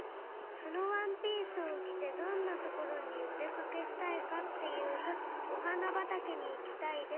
そのワンピースをきてどんなところにおでかけしたいかっていうとおはなばたけにいきたいです。